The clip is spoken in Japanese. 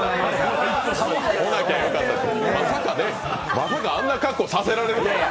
まさかあんな格好させられるとは。